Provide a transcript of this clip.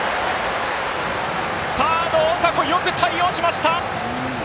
サード、大迫よく対応しました！